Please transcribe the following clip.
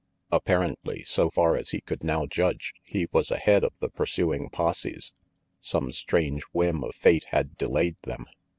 Apparently, so far as he could now judge, he was ahead of the pursuing posses. Some strange whim of fate had delayed them.